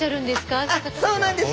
あそうなんです。